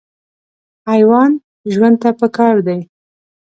حیوان ژوند ته پکار دی.